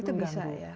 itu bisa ya